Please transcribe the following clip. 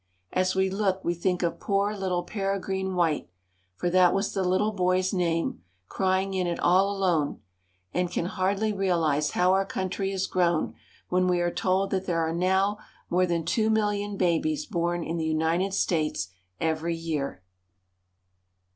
As we look we think of poor little Peregrine White — for that was the little boy's name — crying in it all alone, and can hardly realize how our country has grown when we are told that there are now more than two miUion babies born in the United States every year.